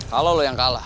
kalo lu yang kalah